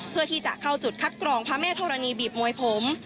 เพื่อที่จะเข้าจุดคัดกรองพระแม่ธรณีบีบมวยผม